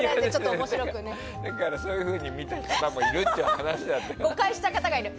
だから、そういうふうに見た方もいるっていう誤解した方もいる。